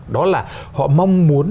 đó là họ mong muốn